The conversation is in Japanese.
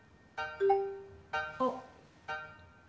あっ。